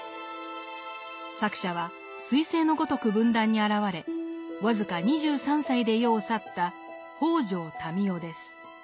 作者は彗星のごとく文壇に現れ僅か２３歳で世を去った北條民雄です。